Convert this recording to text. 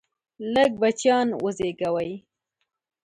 لږ بچیان وزیږوئ!